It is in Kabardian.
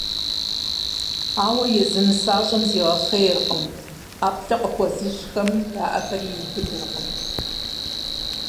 Ауэ езы нысащӀэм зигъэхъейркъым, ӀэплӀэ къыхуэзыщӀхэм я Ӏэхэри иубыдыркъым.